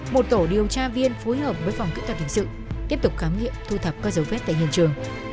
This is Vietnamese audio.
một tổ điều tra viên phối hợp với phòng kỹ thuật hình sự tiếp tục khám nghiệm thu thập các dấu vết tại hiện trường